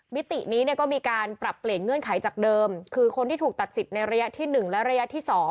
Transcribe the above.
มิตินี้ก็มีการปรับเปลี่ยนเงื่อนไขจากเดิมคือคนที่ถูกตัดสิทธิ์ในระยะที่๑และระยะที่๒